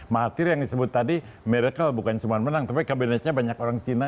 mahathir yang disebut tadi miracle bukan cuma menang tapi kabinetnya banyak orang cina